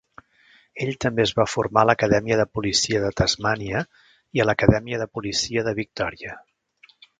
Ell també es va formar a l"Acadèmia de Policia de Tasmania i a l"Acadèmia de Policia de Victoria.